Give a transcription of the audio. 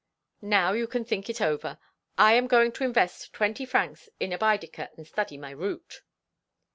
Now, you can think it over. I am going to invest twenty francs in a Baedeker and study my route."